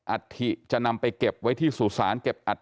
อัฐิจะนำไปเก็บไว้ที่สุสานเก็บอัต